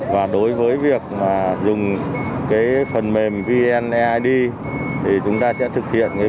và đối với việc dùng phần mềm vn eid thì chúng ta sẽ thực hiện việc quét